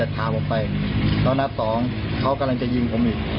แต่ว่าตอนนี้